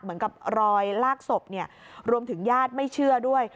เหมือนกับรอยลากศพรวมถึงญาติไม่เชื่อด้วย